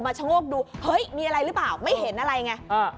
ชะโงกดูเฮ้ยมีอะไรหรือเปล่าไม่เห็นอะไรไง